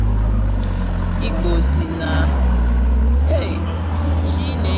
Igbo sị̀ na ọ na-adịkwa mma oke amala ụma taa àkpà dibịa